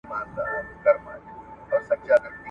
هم غړومبی دی له اسمانه هم له مځکي `